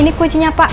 ini kuncinya pak